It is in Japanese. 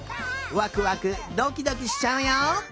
ワクワクドキドキしちゃうよ。